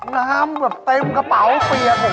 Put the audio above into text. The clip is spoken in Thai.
น้ำแบบเต็มกระเป๋าเปรียบโอ้โหแช่ยุ้ย